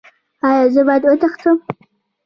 ایا زه باید وتښتم؟